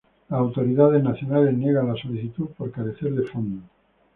Las autoridades nacionales niegan la solicitud por carecer de fondos.